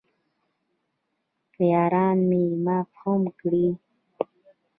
که یاران مې معاف هم کړي.